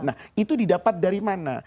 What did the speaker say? nah itu didapat dari mana